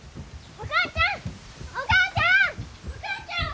お母ちゃん